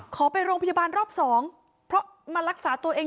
ไปโรงพยาบาลรอบสองเพราะมารักษาตัวเอง